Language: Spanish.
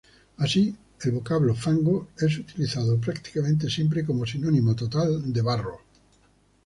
Así, el vocablo fango es utilizado prácticamente siempre como sinónimo total de barro.